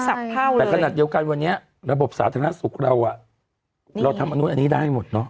แต่ขณะเดียวกันวันนี้ระบบสาธารณสุขเราเราทำอันนี้ได้มัดเนาะ